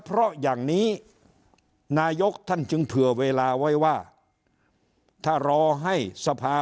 เพราะอย่างนี้นายกท่านจึงเผื่อเวลาไว้ว่าถ้ารอให้สภา